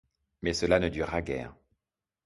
Mais cela ne dura guère.